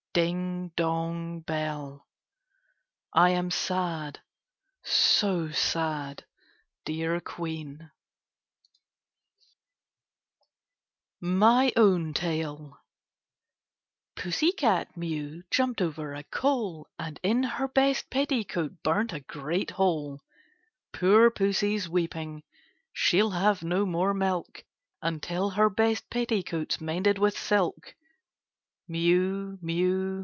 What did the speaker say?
Ding, dong, bell ! I am sad, so sad, dear Queen! 68 KITTENS AND CATS MY OWN TALE Pussy cat Mew jumped over a coal, And in her best petticoat burnt a great hole. Poor Pussy's weeping, she'll have no more milk Until her best petticoat 's mended with silk. Mew! mew!